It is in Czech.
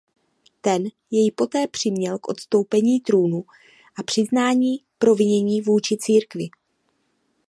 Ten jej poté přiměl k odstoupení trůnu a přiznání provinění vůči církvi.